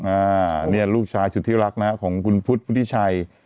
อ่านี่ลูกชายสุดที่รักนะฮะของคุณพุทธพุทธิชัย